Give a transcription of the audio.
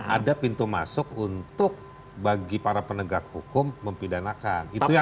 ada pintu masuk untuk bagi para penegak hukum mempidanakan